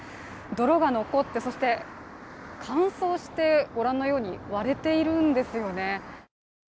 泥が残って、そして乾燥してご覧のように割れているんですよね。